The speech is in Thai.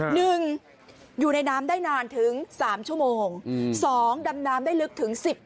หนึ่งอยู่ในน้ำได้นานถึงสามชั่วโมงอืมสองดำน้ำได้ลึกถึงสิบ